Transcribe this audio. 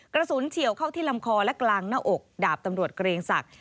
เฉียวเข้าที่ลำคอและกลางหน้าอกดาบตำรวจเกรงศักดิ์